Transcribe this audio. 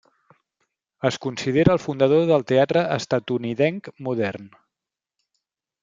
Es considera el fundador del teatre estatunidenc modern.